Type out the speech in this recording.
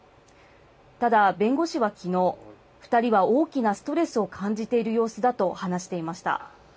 ただ、弁護士はきのう、２人は大きなストレスを感じている様子だと話していました。